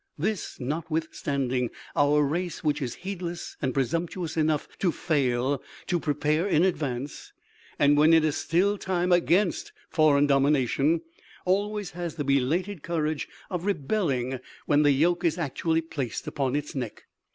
This notwithstanding, our race, which is heedless and presumptuous enough to fail to prepare in advance, and when it is still time, against foreign domination, always has the belated courage of rebelling when the yoke is actually placed upon its neck.